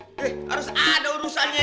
eh harus ada urusannya